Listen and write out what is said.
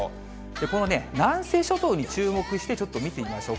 この南西諸島に注目して、ちょっと見てみましょう。